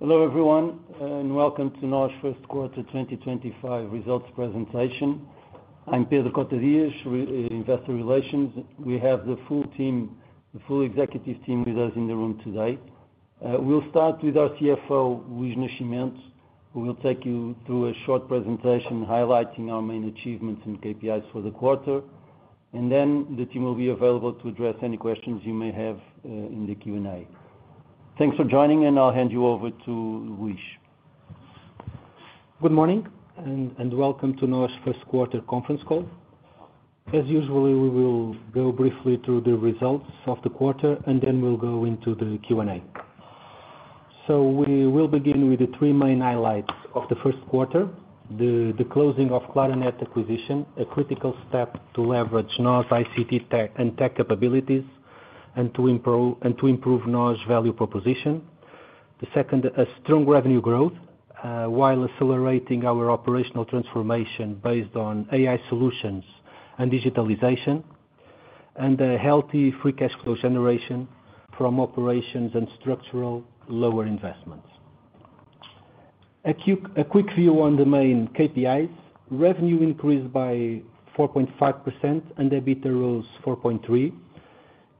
Hello everyone, and welcome to NOS SGPS 2025 results presentation. I'm Pedro Cota Dias, Investor Relations. We have the full team, the full executive team with us in the room today. We'll start with our CFO, Luis Nascimento, who will take you through a short presentation highlighting our main achievements and KPIs for the quarter, and then the team will be available to address any questions you may have in the Q&A. Thanks for joining, and I'll hand you over to Luis. Good morning, and welcome to NOS SGPS conference call. As usual, we will go briefly through the results of the quarter, and then we'll go into the Q&A. We will begin with the three main highlights of the first quarter: the closing of Claranet acquisition, a critical step to leverage NOS ICT and tech capabilities, and to Improve NOS value proposition. The second, a strong revenue growth while accelerating our operational transformation based on AI solutions and digitalization, and a healthy free cash flow generation from operations and structurally lower investments. A quick view on the main KPIs: revenue increased by 4.5% and EBITDA rose 4.3%.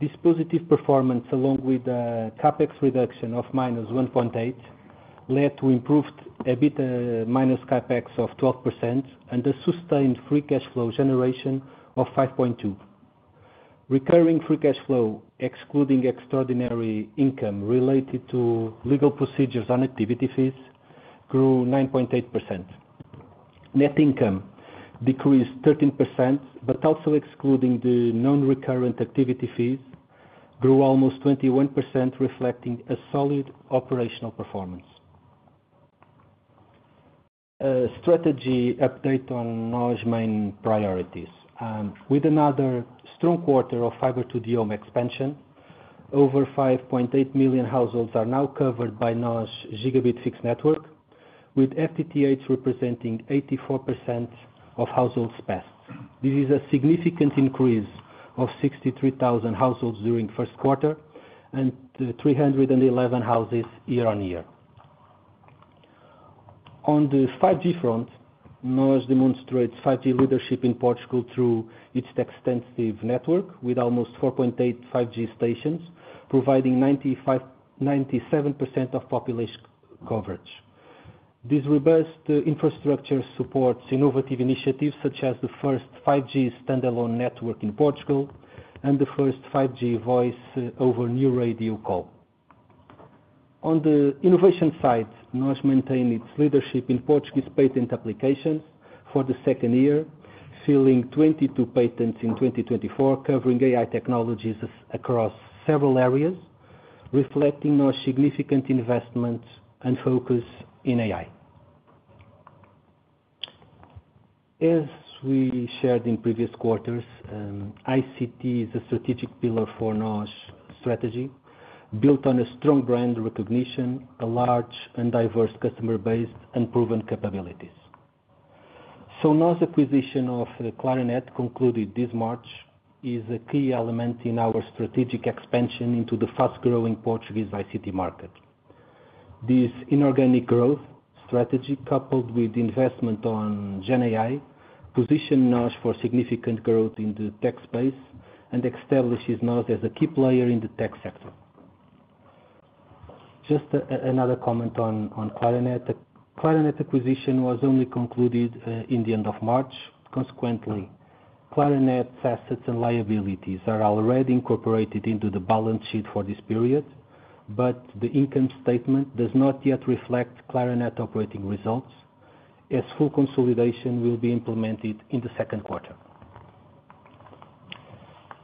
Dispositive performance, along with a CapEx reduction of -1.8%, led to improved EBITDA minus CapEx of 12% and a sustained free cash flow generation of 5.2%. Recurring free cash flow, excluding extraordinary income related to legal procedures and activity fees, grew 9.8%. Net income decreased 13%, but also excluding the non-recurrent activity fees, grew almost 21%, reflecting a solid operational performance. A strategy update on NOS main priorities. With another strong quarter of fiber network expansion, over 5.8 million households are now covered by NOS Gigabit Fixed Network, with FTTH representing 84% of households passed. This is a significant increase of 63,000 households during the first quarter and 311,000 households Year-on-Year. On the 5G front, NOS demonstrates 5G leadership in Portugal through its extensive network, with almost 4,800 5G stations, providing 97% of population coverage. This robust infrastructure supports innovative initiatives such as the first 5G standalone network in Portugal and the first 5G voice over new radio call. On the innovation side, NOS maintains its leadership in Portuguese patent applications for the second year, filing 22 patents in 2024, covering AI technologies across several areas, reflecting NOS' significant investment and focus in AI. As we shared in previous quarters, ICT is a strategic pillar for NOS strategy, built on a strong brand recognition, a large and diverse customer base, and proven capabilities. NOS' acquisition of Claranet concluded this March is a key element in our strategic expansion into the fast-growing Portuguese ICT market. This inorganic growth strategy, coupled with investment on GenAI, positions NOS for significant growth in the tech space and establishes NOS as a key player in the tech sector. Just another comment on Claranet. Claranet acquisition was only concluded in the end of March. Consequently, Claranet's assets and liabilities are already incorporated into the balance sheet for this period, but the income statement does not yet reflect Claranet operating results, as full consolidation will be implemented in the second quarter.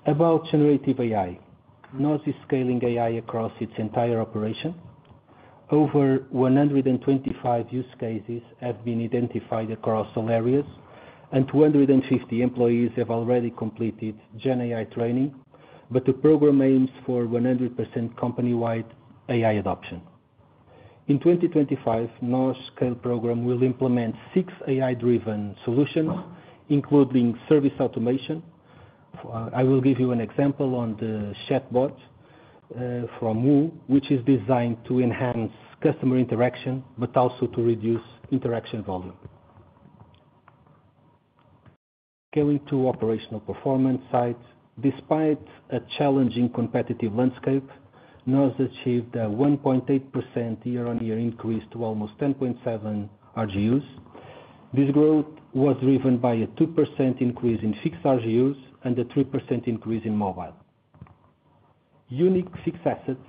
About generative AI, NOS is scaling AI across its entire operation. Over 125 use cases have been identified across all areas, and 250 employees have already completed GenAI training, but the program aims for 100% company-wide AI adoption. In 2025, NOS' scale program will implement six AI-driven solutions, including service automation. I will give you an example on the chatbot from WOO, which is designed to enhance customer interaction, but also to reduce interaction volume. Going to operational performance side, despite a challenging competitive landscape, NOS achieved a 1.8% Year-on-Year increase to almost 10.7 million RGUs. This growth was driven by a 2% increase in fixed RGUs and a 3% increase in mobile. Unique fixed assets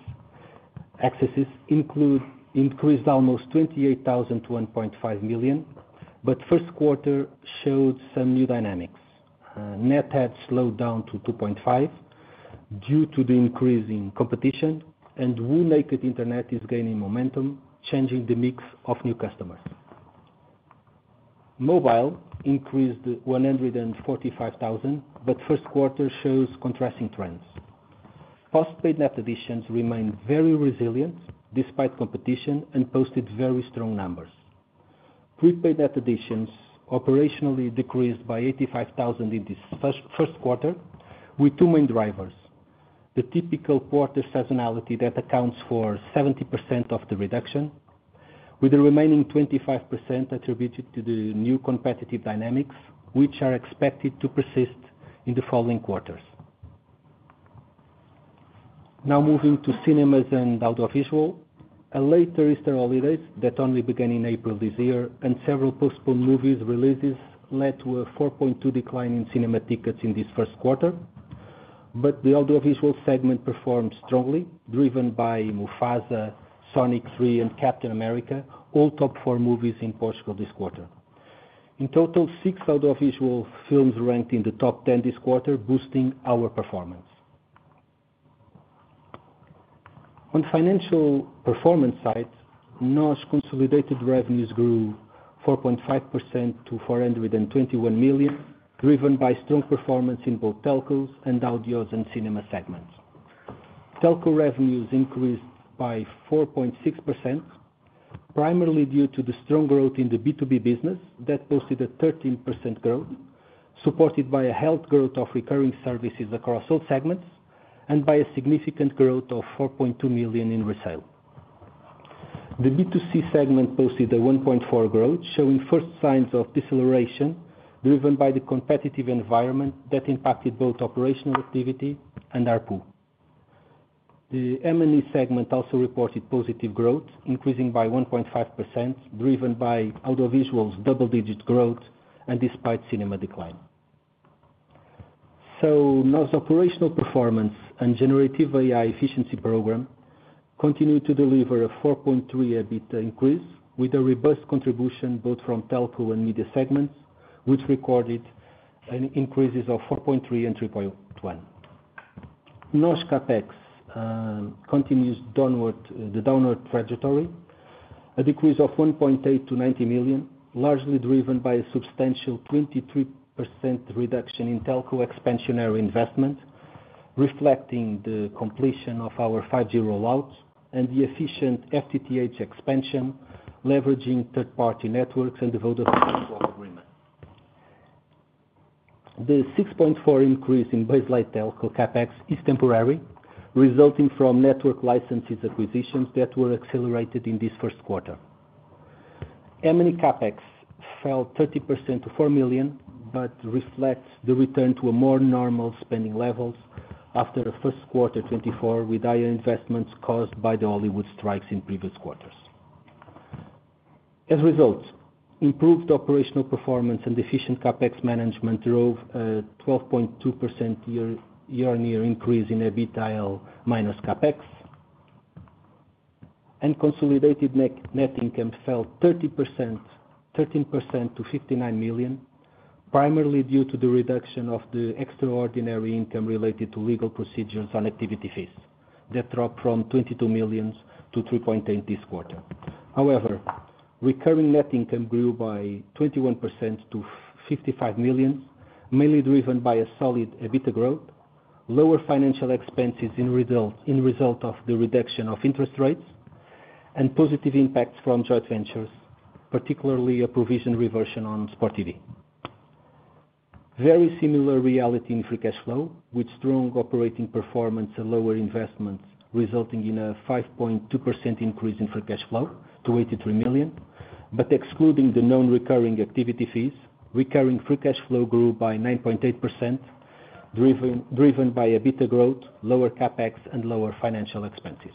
accesses increased almost 28,000 to 1.5 million, but first quarter showed some new dynamics. Net had slowed down to 2.5% due to the increase in competition, and WOO-naked internet is gaining momentum, changing the mix of new customers. Mobile increased 145,000, but first quarter shows contrasting trends. Postpaid net additions remained very resilient despite competition and posted very strong numbers. Prepaid net additions operationally decreased by 85,000 in this first quarter, with two main drivers: the typical quarter seasonality that accounts for 70% of the reduction, with the remaining 25% attributed to the new competitive dynamics, which are expected to persist in the following quarters. Now moving to cinemas and audiovisual. A late Easter holiday that only began in April this year, and several postponed movie releases led to a 4.2% decline in Cinema tickets in this first quarter, but the audiovisual segment performed strongly, driven by Mufasa, Sonic 3, and Captain America, all top four movies in Portugal this quarter. In total, six audiovisual films ranked in the top 10 this quarter, boosting our performance. On the financial performance side, NOS' consolidated revenues grew 4.5% to 421 million, driven by strong performance in both telco and audio and Cinema segments. Telco revenues increased by 4.6%, primarily due to the strong growth in the B2B business that posted a 13% growth, supported by a healthy growth of recurring services across all segments, and by a significant growth of 4.2 million in resale. The B2C segment posted a 1.4% growth, showing first signs of deceleration driven by the competitive environment that impacted both operational activity and ARPU. The M&E segment also reported positive growth, increasing by 1.5%, driven by audiovisuals' double-digit growth and despite cinema decline. NOS' operational performance and generative AI efficiency program continued to deliver a 4.3% EBITDA increase, with a robust contribution both from telco and media segments, which recorded increases of 4.3% and 3.1%. NOS' CapEx continues the downward trajectory, a decrease of 1.8% to 90 million, largely driven by a substantial 23% reduction in telco expansionary investment, reflecting the completion of our 5G rollout and the efficient FTTH expansion, leveraging third-party networks and the Vodafone network agreement. The 6.4% increase in baseline telco CapEx is temporary, resulting from network licenses acquisitions that were accelerated in this first quarter. M&E CapEx fell 30% to 4 million, but reflects the return to more normal spending levels after first quarter 2024, with higher investments caused by the Hollywood strikes in previous quarters. As a result, improved operational performance and efficient CapEx management drove a 12.2% Year-on-Year increase in EBITDA minus CapEx, and consolidated net income fell 13% to 59 million, primarily due to the reduction of the extraordinary income related to legal procedures on activity fees that dropped from 22 million to 3.8 million this quarter. However, recurring net income grew by 21% to 55 million, mainly driven by a solid EBITDA growth, lower financial expenses in result of the reduction of interest rates, and positive impacts from joint ventures, particularly a provision reversion on Sport TV. Very similar reality in free cash flow, with strong operating performance and lower investments, resulting in a 5.2% increase in free cash flow to 83 million, but excluding the non-recurring activity fees, recurring free cash flow grew by 9.8%, driven by EBITDA growth, lower CapEx, and lower financial expenses.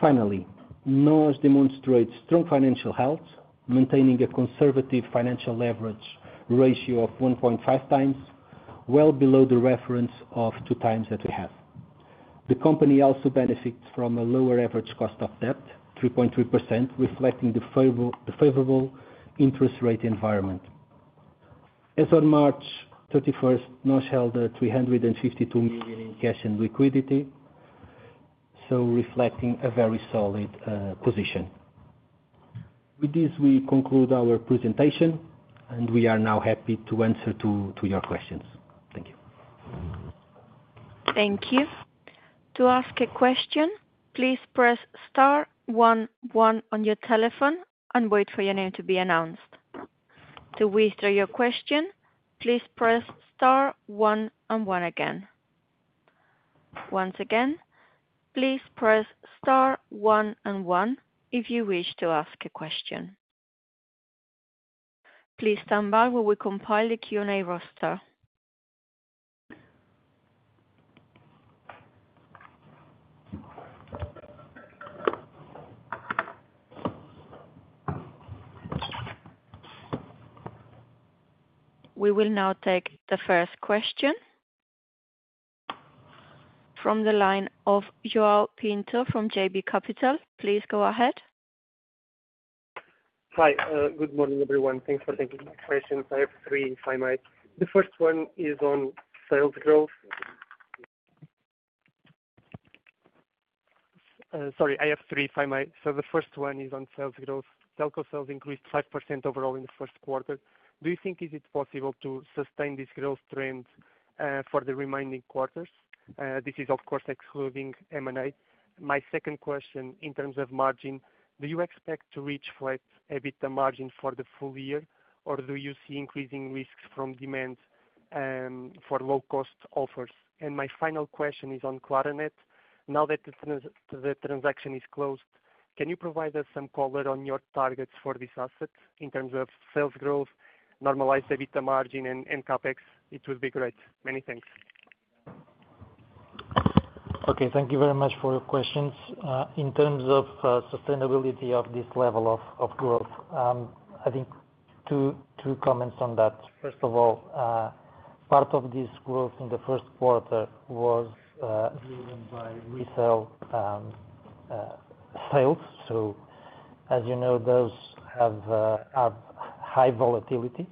Finally, NOS demonstrates strong financial health, maintaining a conservative financial leverage ratio of 1.5 times, well below the reference of 2 times that we have. The company also benefits from a lower average cost of debt, 3.3%, reflecting the favorable interest rate environment. As of March 31, NOS held 352 million in cash and liquidity, reflecting a very solid position. With this, we conclude our presentation, and we are now happy to answer your questions. Thank you. Thank you. To ask a question, please press star 1, 1 on your telephone and wait for your name to be announced. To withdraw your question, please press star 1, and 1 again. Once again, please press star 1, and 1 if you wish to ask a question. Please stand by while we compile the Q&A Roster. We will now take the first question from the line of João Pinto from JB Capital. Please go ahead. Hi. Good morning, everyone. Thanks for taking my questions. I have three, finite. The first one is on sales growth. Sorry, I have three, finite. The first one is on sales growth. Telco sales increased 5% overall in the first quarter. Do you think it is possible to sustain this growth trend for the remaining quarters? This is, of course, excluding M&A. My second question, in terms of margin, do you expect to reach flat EBITDA margin for the full year, or do you see increasing risks from demand for low-cost offers? My final question is on Claranet. Now that the transaction is closed, can you provide us some color on your targets for this asset in terms of sales growth, normalized EBITDA margin, and CapEx? It would be great. Many thanks. Okay. Thank you very much for your questions. In terms of sustainability of this level of growth, I think two comments on that. First of all, part of this growth in the first quarter was driven by resale sales. As you know, those have high volatility.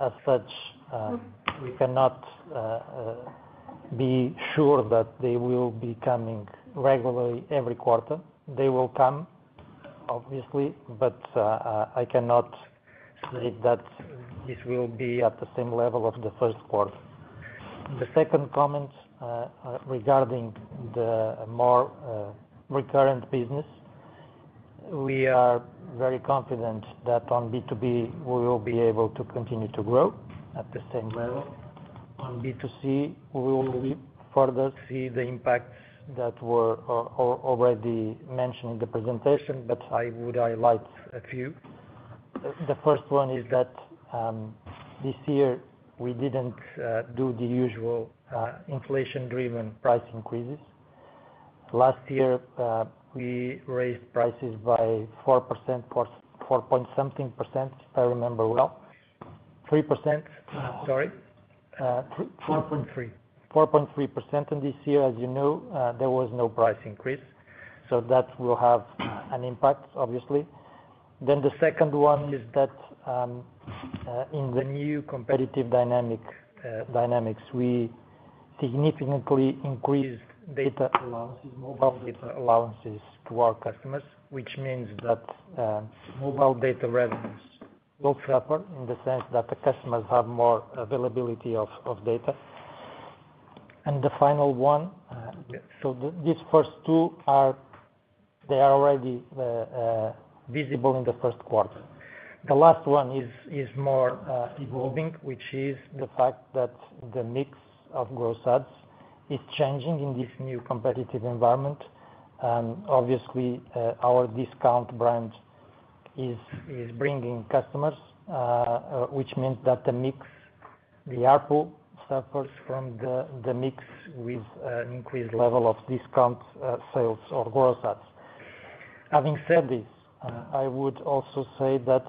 As such, we cannot be sure that they will be coming regularly every quarter. They will come, obviously, but I cannot say that this will be at the same level of the first quarter. The second comment regarding the more recurrent business, we are very confident that on B2B, we will be able to continue to grow at the same level. On B2C, we will further see the impacts that were already mentioned in the presentation, but I would highlight a few. The first one is that this year, we did not do the usual inflation-driven price increases. Last year, we raised prices by 4%, 4.7%, if I remember well. 3%. Sorry. 4.3%. 4.3%. This year, as you know, there was no price increase, so that will have an impact, obviously. The second one is that in the new competitive dynamics, we significantly increased data allowances, mobile data allowances to our customers, which means that mobile data revenues will suffer in the sense that the customers have more availability of data. The final one, these first two, they are already visible in the first quarter. The last one is more evolving, which is the fact that the mix of gross ads is changing in this new competitive environment. Obviously, our discount brand is bringing customers, which means that the mix, the ARPU, suffers from the mix with an increased level of discount sales or gross ads. Having said this, I would also say that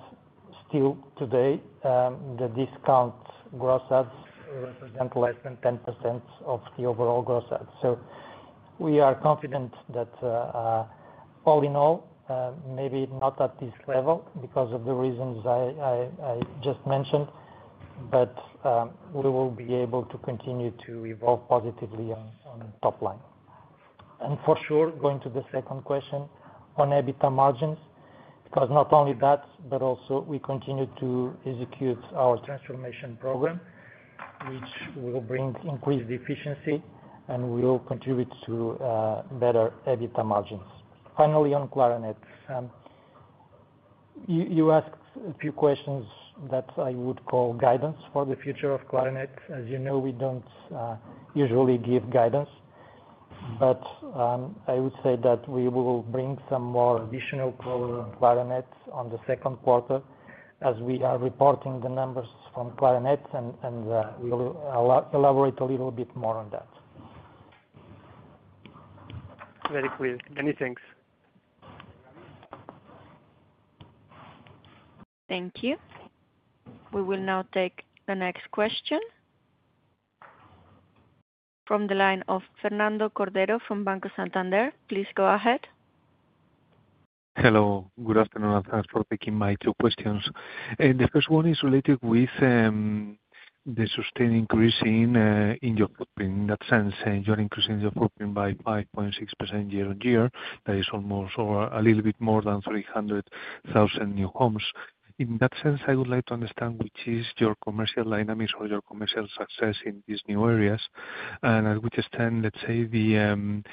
still today, the discount gross ads represent less than 10% of the overall gross ads. We are confident that all in all, maybe not at this level because of the reasons I just mentioned, but we will be able to continue to evolve positively on top line. For sure, going to the second question on EBITDA margins, because not only that, but also we continue to execute our transformation program, which will bring increased efficiency and will contribute to better EBITDA margins. Finally, on Claranet, you asked a few questions that I would call guidance for the future of Claranet. As you know, we do not usually give guidance, but I would say that we will bring some more additional color on Claranet on the second quarter as we are reporting the numbers from Claranet, and we will elaborate a little bit more on that. Very clear. Many thanks. Thank you. We will now take the next question from the line of Fernando Cordeiro from Banco Santander. Please go ahead. Hello. Good afternoon. Thanks for taking my two questions. The first one is related with the sustained increase in your footprint. In that sense, you're increasing your footprint by 5.6% Year-on-Year. That is almost a little bit more than 300,000 new homes. In that sense, I would like to understand which is your commercial dynamics or your commercial success in these new areas. At which extent, let's say, the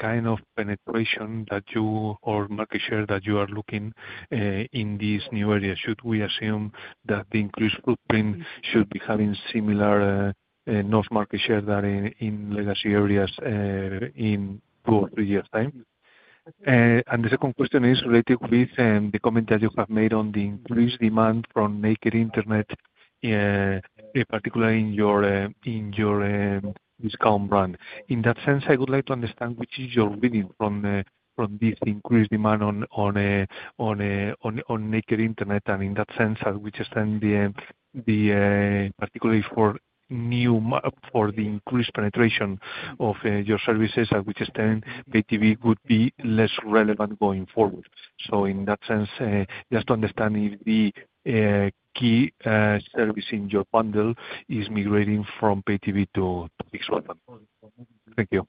kind of penetration or market share that you are looking in these new areas, should we assume that the increased footprint should be having similar NOS market share than in legacy areas in two or three years' time? The second question is related with the comment that you have made on the increased demand from naked internet, particularly in your discount brand. In that sense, I would like to understand which is your reading from this increased demand on naked internet. In that sense, at which extent, particularly for the increased penetration of your services, at which extent PayTV would be less relevant going forward? In that sense, just to understand if the key service in your bundle is migrating from PayTV to PixelBank. Thank you.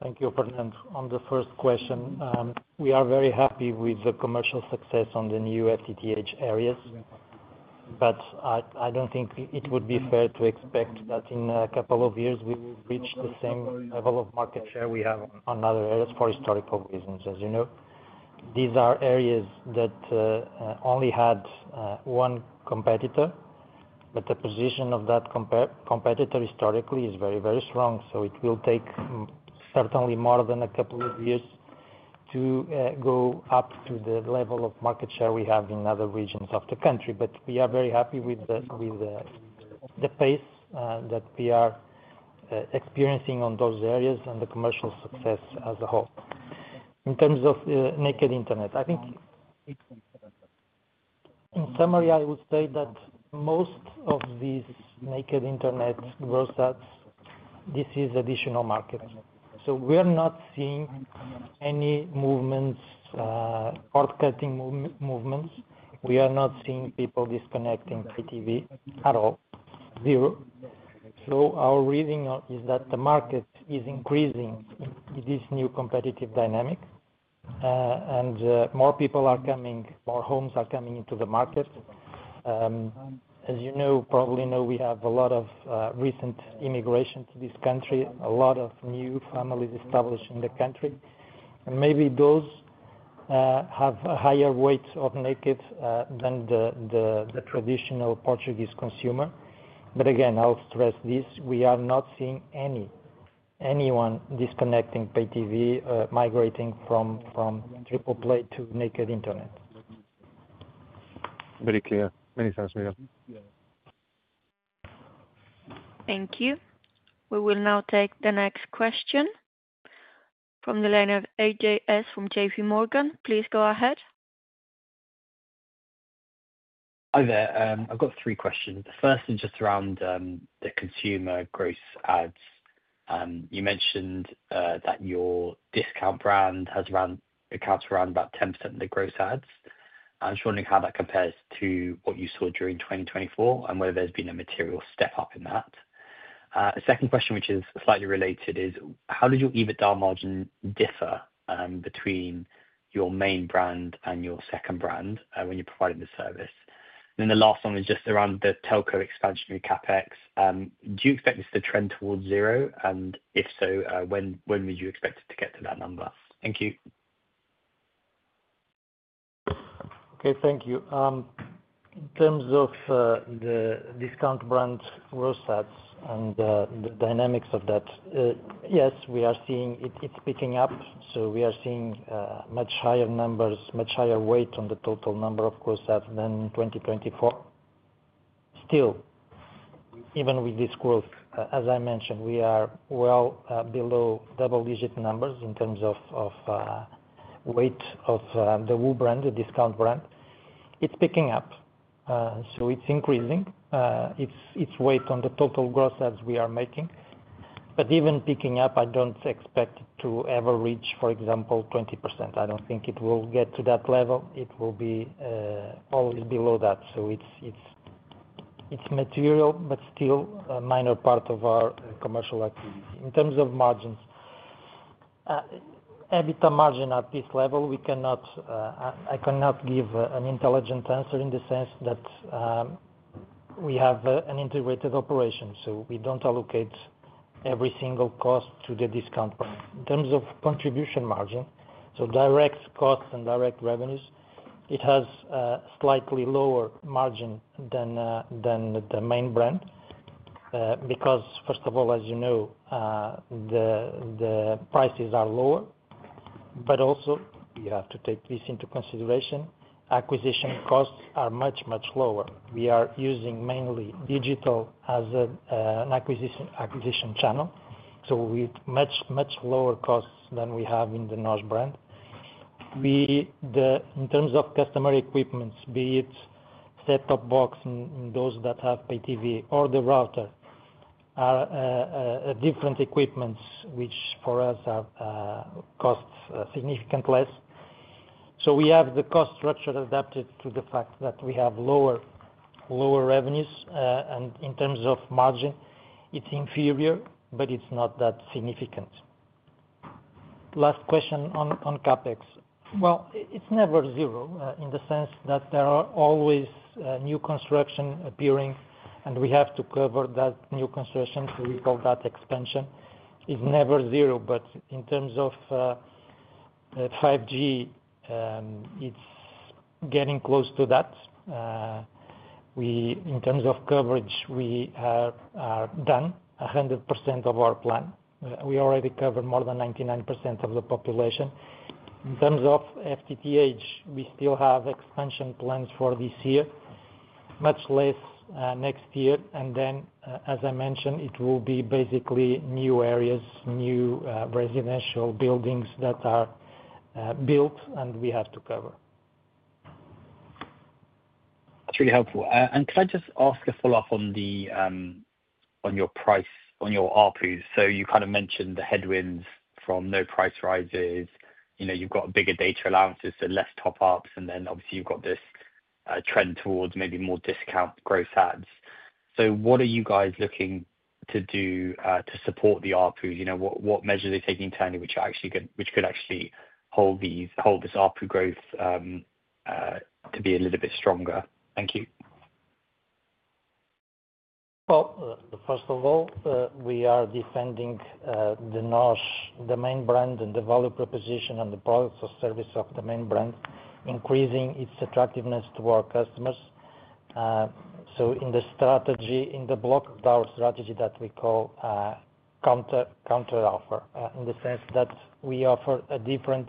Thank you, Fernando. On the first question, we are very happy with the commercial success on the new FTTH areas, but I do not think it would be fair to expect that in a couple of years, we will reach the same level of market share we have on other areas for historical reasons. As you know, these are areas that only had one competitor, but the position of that competitor historically is very, very strong. It will take certainly more than a couple of years to go up to the level of market share we have in other regions of the country. We are very happy with the pace that we are experiencing on those areas and the commercial success as a whole. In terms of naked internet, I think in summary, I would say that most of these naked internet gross ads, this is additional market. We are not seeing any movements, short-cutting movements. We are not seeing people disconnecting PayTV at all, zero. Our reading is that the market is increasing in this new competitive dynamic, and more people are coming, more homes are coming into the market. As you probably know, we have a lot of recent immigration to this country, a lot of new families established in the country. Maybe those have a higher weight of naked than the traditional Portuguese consumer. Again, I'll stress this. We are not seeing anyone disconnecting PayTV, migrating from Triple Play to naked internet. Very clear. Many thanks, Miguel. Thank you. We will now take the next question from the line of AJS from JP Morgan. Please go ahead. Hi there. I've got three questions. The first is just around the consumer gross ads. You mentioned that your discount brand accounts for around about 10% of the gross ads. I'm just wondering how that compares to what you saw during 2024 and whether there's been a material step up in that. The second question, which is slightly related, is how did your EBITDA margin differ between your main brand and your second brand when you're providing the service? And then the last one is just around the telco expansionary CapEx. Do you expect this to trend towards zero? And if so, when would you expect it to get to that number? Thank you. Okay. Thank you. In terms of the discount brand gross ads and the dynamics of that, yes, we are seeing it is picking up. We are seeing much higher numbers, much higher weight on the total number of gross ads than 2024. Still, even with this growth, as I mentioned, we are well below double-digit numbers in terms of weight of the WOO brand, the discount brand. It is picking up. It is increasing its weight on the total gross ads we are making. Even picking up, I do not expect it to ever reach, for example, 20%. I do not think it will get to that level. It will always be below that. It is material, but still a minor part of our commercial activity. In terms of margins, EBITDA margin at this level, I cannot give an intelligent answer in the sense that we have an integrated operation. We do not allocate every single cost to the discount brand. In terms of contribution margin, so direct costs and direct revenues, it has a slightly lower margin than the main brand because, first of all, as you know, the prices are lower. Also, you have to take this into consideration. Acquisition costs are much, much lower. We are using mainly digital as an acquisition channel. We have much, much lower costs than we have in the NOS brand. In terms of customer equipment, be it set-top box in those that have PayTV or the router, are different equipments, which for us cost significantly less. We have the cost structure adapted to the fact that we have lower revenues. In terms of margin, it is inferior, but it is not that significant. Last question on CapEx. It's never zero in the sense that there are always new construction appearing, and we have to cover that new construction. We call that expansion. It's never zero. In terms of 5G, it's getting close to that. In terms of coverage, we are done 100% of our plan. We already cover more than 99% of the population. In terms of FTTH, we still have expansion plans for this year, much less next year. As I mentioned, it will be basically new areas, new residential buildings that are built, and we have to cover. That's really helpful. Could I just ask a follow-up on your price, on your ARPU? You kind of mentioned the headwinds from no price rises. You've got bigger data allowances to less top-ups. Obviously, you've got this trend towards maybe more discount gross ads. What are you guys looking to do to support the ARPU? What measures are you taking which could actually hold this ARPU growth to be a little bit stronger? Thank you. First of all, we are defending NOS, the main brand, and the value proposition and the products or service of the main brand, increasing its attractiveness to our customers. In the strategy, in the block of our strategy that we call counter-offer, in the sense that we offer a different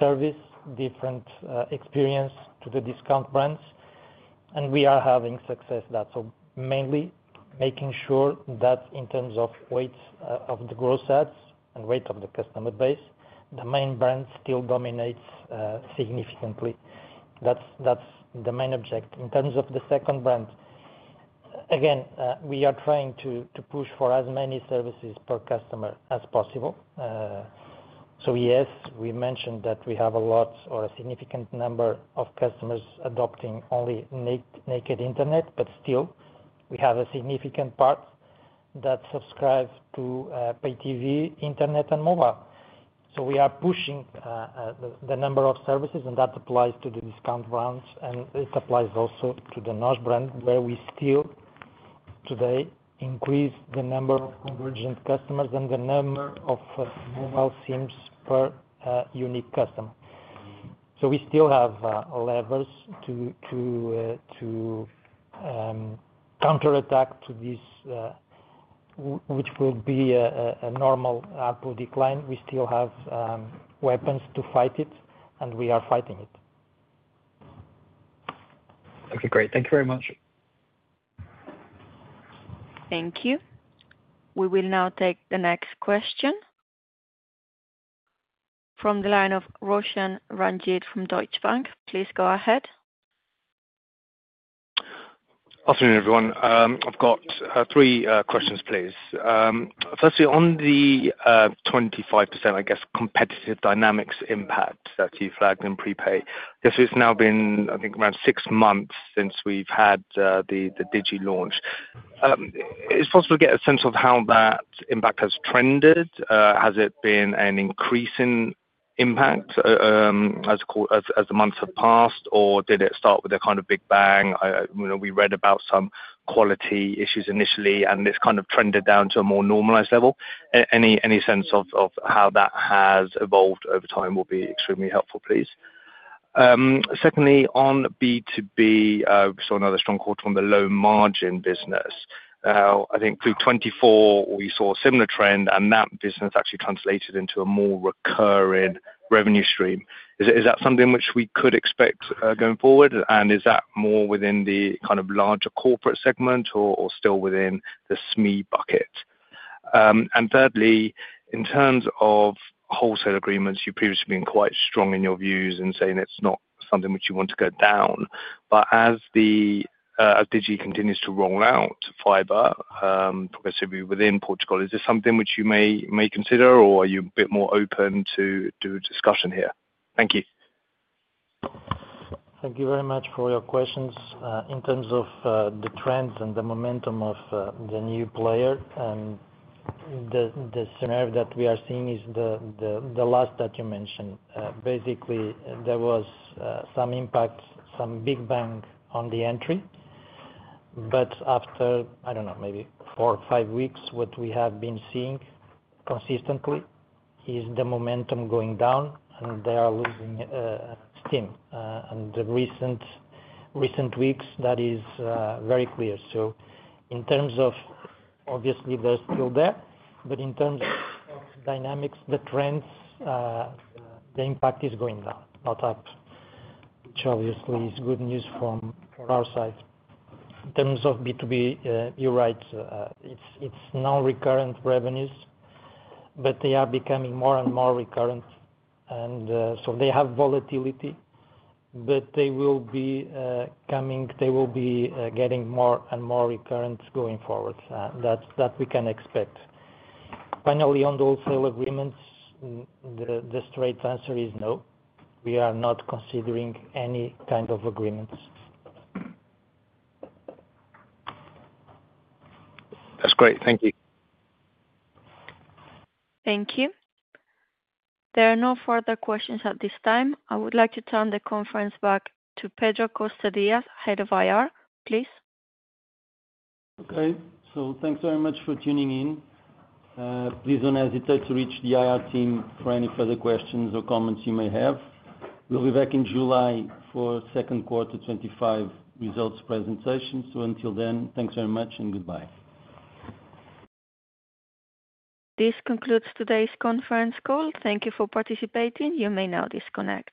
service, different experience to the discount brands. We are having success with that. Mainly making sure that in terms of weight of the gross ads and weight of the customer base, the main brand still dominates significantly. That is the main objective. In terms of the second brand, again, we are trying to push for as many services per customer as possible. Yes, we mentioned that we have a lot or a significant number of customers adopting only naked internet, but still, we have a significant part that subscribes to PayTV, internet, and mobile. We are pushing the number of services, and that applies to the discount brands, and it applies also to the NOS brand, where we still today increase the number of convergent customers and the number of mobile SIMs per unique customer. We still have levers to Counterattack to this, which will be a normal ARPU decline. We still have weapons to fight it, and we are fighting it. Okay. Great. Thank you very much. Thank you. We will now take the next question from the line of Roshan Ranjit from Deutsche Bank. Please go ahead. Afternoon, everyone. I've got three questions, please. Firstly, on the 25% competitive dynamics Impact that you flagged in prepay, I guess it's now been, I think, around six months since we've had the Digi launch. Is it possible to get a sense of how that impact has trended? Has it been an increasing impact as the months have passed, or did it start with a kind of big bang? We read about some quality issues initially, and it's kind of trended down to a more normalized level. Any sense of how that has evolved over time will be extremely helpful, please. Secondly, on B2B, we saw another strong quarter on the low-margin business. I think through 2024, we saw a similar trend, and that business actually translated into a more recurring revenue stream. Is that something which we could expect going forward? Is that more within the kind of larger corporate segment or still within the SME bucket? Thirdly, in terms of wholesale agreements, you've previously been quite strong in your views in saying it's not something which you want to go down. As Digi continues to roll out fiber progressively within Portugal, is this something which you may consider, or are you a bit more open to do a discussion here? Thank you. Thank you very much for your questions. In terms of the trends and the momentum of the new player, the scenario that we are seeing is the last that you mentioned. Basically, there was some impact, some big bang on the entry. After, I do not know, maybe four or five weeks, what we have been seeing consistently is the momentum going down, and they are losing steam. In the recent weeks, that is very clear. In terms of, obviously, they are still there. In terms of dynamics, the trends, the Impact is going down, not up, which obviously is good news from our side. In terms of B2B, you are right. It is non-recurrent revenues, but they are becoming more and more recurrent. They have volatility, but they will be coming, they will be getting more and more recurrent going forward. That is what we can expect. Finally, on the wholesale agreements, the straight answer is no. We are not considering any kind of agreements. That's great. Thank you. Thank you. There are no further questions at this time. I would like to turn the conference back to Pedro Cota Dias, Head of Investor Relations, please. Okay. So thanks very much for tuning in. Please do not hesitate to reach the IR team for any further questions or comments you may have. We will be back in July for second quarter 2025 results presentation. So until then, thanks very much and goodbye. This concludes today's conference call. Thank you for participating. You may now disconnect.